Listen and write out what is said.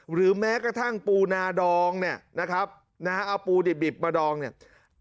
หรือแม้กระทั่งปูนาดองเนี่ยนะครับนะฮะเอาปูดิบมาดองเนี่ย